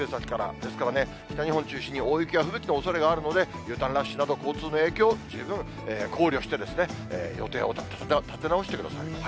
ですから北日本中心に大雪や吹雪のおそれがあるので、Ｕターンラッシュなど、交通の影響、十分考慮して、予定を立て直してください。